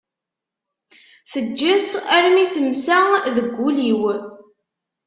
Teǧǧiḍ-tt armi temsa deg ul-iw.